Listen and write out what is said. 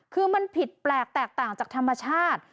คือมันผิดแปลกแตกต่างจากธรรมชาติ